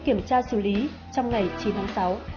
kiểm tra xử lý trong ngày chín tháng sáu